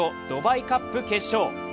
ドバイカップ決勝。